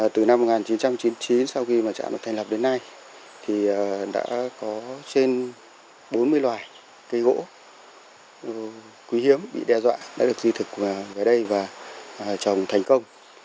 từ năm một nghìn chín trăm chín mươi chín sau khi trạm được thành lập đến nay thì đã có trên bốn mươi loài cây gỗ quý hiếm bị đe dọa đã được di thực về đây và trồng thành công